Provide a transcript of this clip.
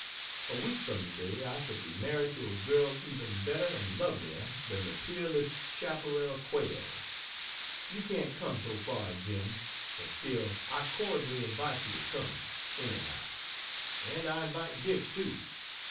A week from today I shall be married to a girl even better, and lovelier than the peerless "Chapparal Quails." You can't come so far, Jim, but still I cordially invite you to come, anyhow and I invite Dick, too.